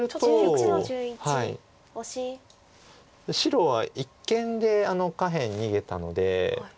白は一間で下辺逃げたので。